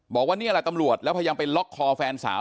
บอกว่านี่แหละตำรวจแล้วพยายามไปล็อกคอแฟนสาว